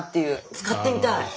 使ってみたい！